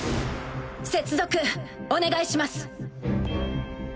接続お願いします。